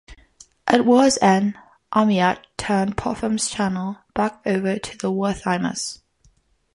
At war's end, Amiot turned "Parfums Chanel" back over to the Wertheimers.